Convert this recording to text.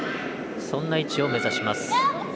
そんな位置を目指します。